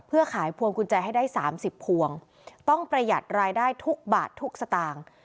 เพื่อขายพวงกุญแจให้ได้๓๐พวงต้องประหยัดรายได้ทุกบาททุกสตางค์